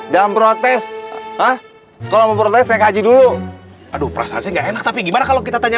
jangan protes ah kalau memprotesnya kaji dulu aduh perasaan nggak enak tapi gimana kalau kita tanya